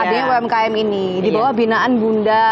adanya umkm ini di bawah binaan bunda